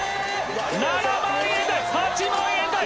７万円台８万円台！